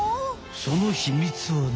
その秘密はね